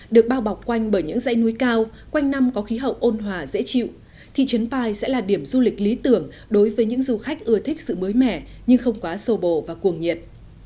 được bao bọc quanh bởi những dãy núi cao quanh năm có khí hậu ôn hòa dễ chịu thị trấn pai sẽ là điểm du lịch lý tưởng đối với những du khách ưa thích sự mới mẻ nhưng không quá sồ bồ và cuồng nhiệt